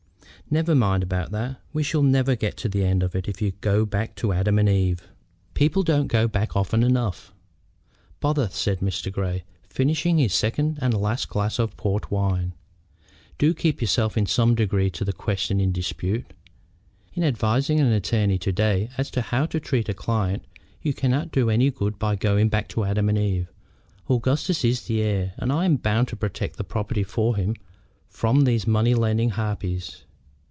"Never mind about that. We shall never get to the end if you go back to Adam and Eve." "People don't go back often enough." "Bother!" said Mr. Grey, finishing his second and last glass of port wine. "Do keep yourself in some degree to the question in dispute. In advising an attorney of to day as to how he is to treat a client you can't do any good by going back to Adam and Eve. Augustus is the heir, and I am bound to protect the property for him from these money lending harpies.